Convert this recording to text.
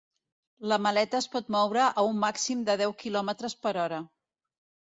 La maleta es pot moure a un màxim de deu quilòmetres per hora.